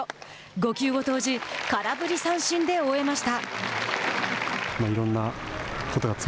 ５球を投じ空振り三振で終えました。